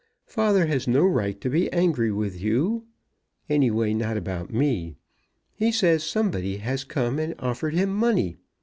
Father has no right to be angry with you, anyway not about me. He says somebody has come and offered him money.